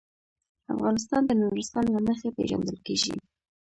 افغانستان د نورستان له مخې پېژندل کېږي.